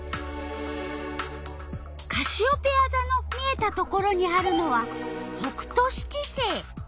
カシオペヤざの見えたところにあるのは北斗七星。